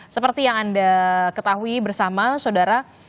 seperti yang anda ketahui bersama saudara